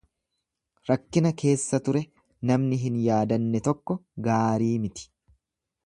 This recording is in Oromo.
Rakkina keessa ture namni hin yaadanne tokko gaarii miti.